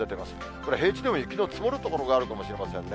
これ、平地でも雪の積もる所があるかもしれませんね。